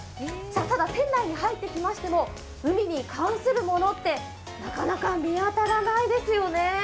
ただ、店内に入ってきましても海に関するものってなかなか見当たらないですよね。